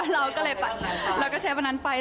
เราก็แชร์เว้นนั้นไป